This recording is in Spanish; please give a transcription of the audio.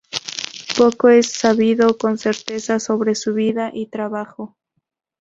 Poco es sabido con certeza sobre su vida y trabajo.